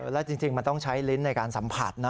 แล้วจริงมันต้องใช้ลิ้นในการสัมผัสนะ